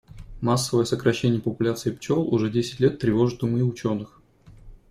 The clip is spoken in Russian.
Массовое сокращение популяции пчёл уже десять лет тревожит умы учёных.